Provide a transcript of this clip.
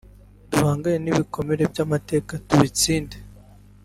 Duhangane n’ibikomere by’amateka tubitsinde